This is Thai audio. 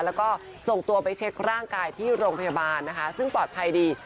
แล้วก็ส่งตัวไปเช็คร่างกายที่โรงพยาบาลนะคะซึ่งปลอดภัยดี